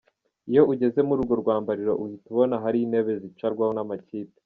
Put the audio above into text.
Iyo ugeze muri urwo rwambariro uhita ubona ahari intebe zicarwaho n’amakipe.